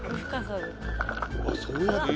うわそうやって。